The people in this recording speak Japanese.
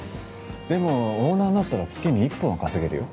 でもオーナーになったら月にイッポンは稼げるよ？